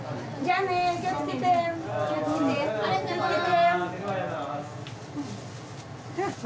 ありがとうございます。